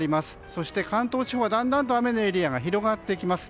そして関東地方、だんだんと雨のエリアが広がってきます。